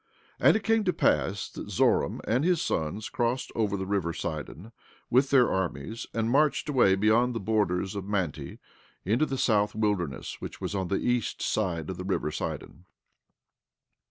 16:7 And it came to pass that Zoram and his sons crossed over the river Sidon, with their armies, and marched away beyond the borders of Manti into the south wilderness, which was on the east side of the river Sidon.